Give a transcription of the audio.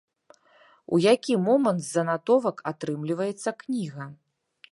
У які момант з занатовак атрымліваецца кніга?